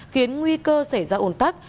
khiến nguy cơ xảy ra ổn tắc